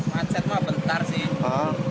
macet mah bentar sih